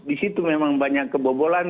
di situ memang banyak kebobolan